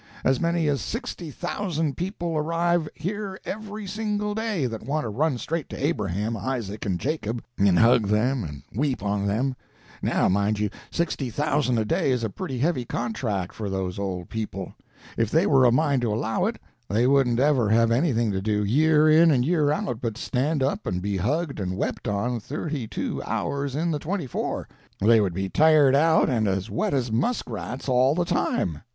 As many as sixty thousand people arrive here every single day, that want to run straight to Abraham, Isaac and Jacob, and hug them and weep on them. Now mind you, sixty thousand a day is a pretty heavy contract for those old people. If they were a mind to allow it, they wouldn't ever have anything to do, year in and year out, but stand up and be hugged and wept on thirty two hours in the twenty four. They would be tired out and as wet as muskrats all the time.